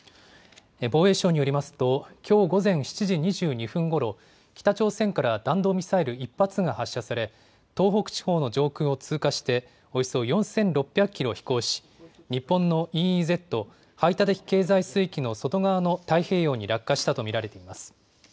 防衛省によりますと、きょう午前７時２２分ごろ、北朝鮮から弾道ミサイル１発が発射され、東北地方の上空を通過して、およそ４６００キロ飛行し、日本のＥＥＺ・排他的経済水域の外側の太平洋に落下したと見られています。